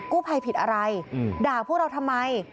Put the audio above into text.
ผู้ภัยผิดอะไรด่าพวกเราทำไม